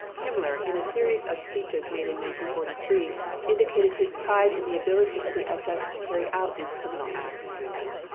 Himmler, in a series of speeches made in 1943, indicated his pride in the ability of the SS to carry out these criminal acts.